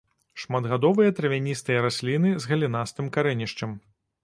Шматгадовыя травяністыя расліны з галінастым карэнішчам.